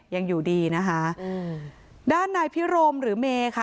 ยังอยู่ดีนะคะอืมด้านนายพิรมหรือเมค่ะ